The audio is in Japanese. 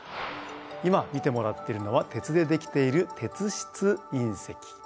今見てもらっているのは鉄でできている鉄質いん石。